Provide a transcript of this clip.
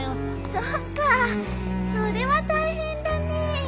そっかそれは大変だね。